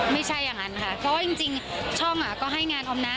ไม่ใช่อย่างนั้นค่ะเพราะว่าจริงช่องก็ให้งานออมนะ